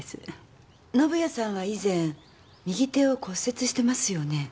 宣也さんは以前右手を骨折してますよね？